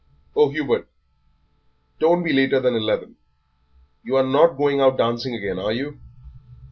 "Oh, Hubert, don't be later than eleven. You are not going out dancing again, are you?